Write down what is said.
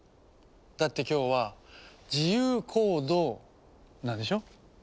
だって今日は「自由行動」なんでしょ？